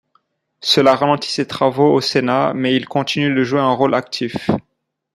Cela ralentit ses travaux au Sénat, mais il continue de jouer un rôle actif.